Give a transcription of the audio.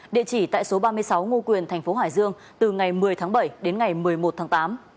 địa chỉ tại số ba mươi sáu ngô quyền thành phố hải dương từ ngày một mươi tháng bảy đến ngày một mươi một tháng tám